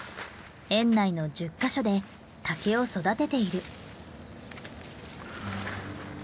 園内の１０か所で竹を育てている。